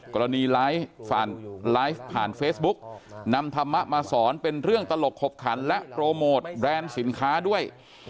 กรณีไลฟ์ผ่านเฟซบุ๊กนำธรรมะมาสอนเป็นเรื่องตลกขบขันและโปรโมทแบรนด์สินค้าด้วย